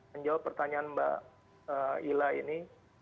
menjawab pertanyaan mbak ila ini